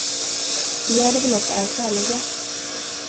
Begärda belopp är skäliga.